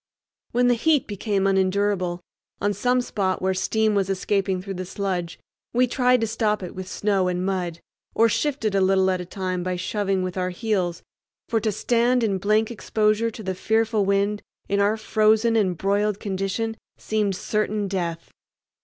When the heat became unendurable, on some spot where steam was escaping through the sludge, we tried to stop it with snow and mud, or shifted a little at a time by shoving with our heels; for to stand in blank exposure to the fearful wind in our frozen and broiled condition seemed certain death.